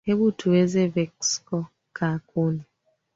hebu tuweze veksco ka kuni